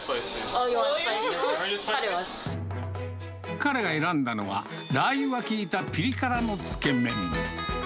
彼が選んだのは、ラー油が効いたピリ辛のつけ麺。